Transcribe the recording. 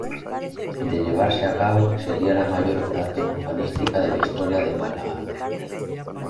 De llevarse a cabo sería la mayor operación urbanística de la historia de Málaga.